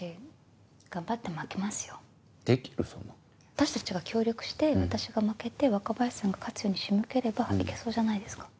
私たちが協力して私が負けて若林さんが勝つように仕向ければ行けそうじゃないですか？